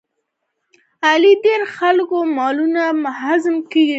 علي د ډېرو خلکو مالونه هضم کړل.